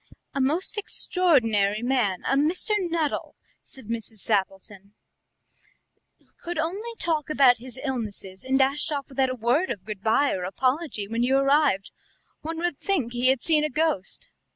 "A most extraordinary man, a Mr. Nuttel," said Mrs. Sappleton; "could only talk about his illnesses, and dashed off without a word of good bye or apology when you arrived. One would think he had seen a ghost."